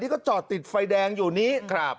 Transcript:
ที่ก็จอดติดไฟแดงอยู่นี้